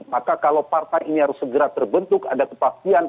maka kalau partai ini harus segera terbentuk ada kepastian